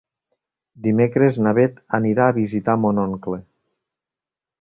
Dimecres na Beth anirà a visitar mon oncle.